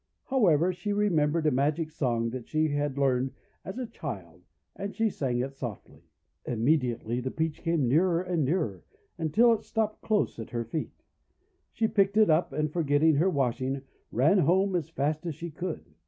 However, she re membered a magic song that she had learned as a child, and she sang it softly. Immediately the Peach came nearer and 372 THE WONDER GARDEN nearer until it stopped close at her feet. She picked it up, and, forgetting her washing, ran home as fast as she could.